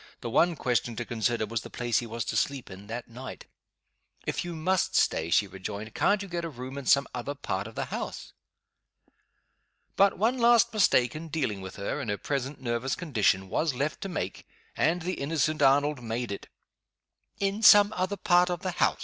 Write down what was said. The one question to consider, was the place he was to sleep in that night. "If you must stay," she rejoined, "can't you get a room in some other part of the house?" But one last mistake in dealing with her, in her present nervous condition, was left to make and the innocent Arnold made it. "In some other part of the house?"